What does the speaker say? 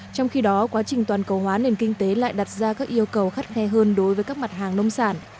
trong khi đó quá trình toàn cầu hóa nền kinh tế lại đặt ra các yêu cầu khắt khe hơn đối với các mặt hàng nông sản